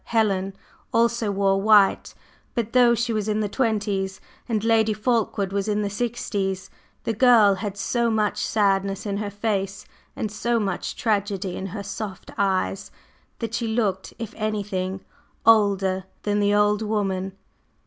Helen also wore white, but though she was in the twenties and Lady Fulkeward was in the sixties, the girl had so much sadness in her face and so much tragedy in her soft eyes that she looked, if anything, older than the old woman.